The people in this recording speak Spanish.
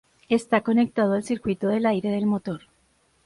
Está conectado al circuito del aire del motor.